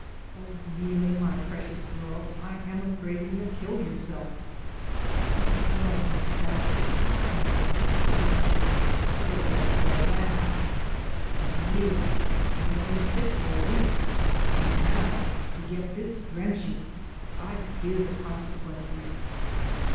"Oh, Neelie, my precious girl, I am afraid you have killed yourself." "Oh, no, Miss Sallie; I am not so easily killed as all that." "But, Neelie, you have been sick for a week, and now to get this drenching. I fear the consequences."